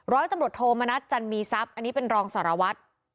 ร้อยตำรวจโทมณัฐจันมีทรัพย์อันนี้เป็นรองสารวัตร